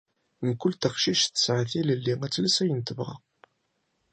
Mkul taqcict tesɛa tilelli ad tles ayen i tebɣa